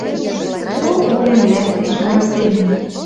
Со олен лӓктеш мыры семем